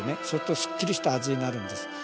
そうするとすっきりした味になるんです。